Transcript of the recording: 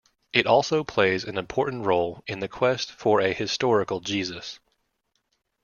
It also plays an important role in the quest for a historical Jesus.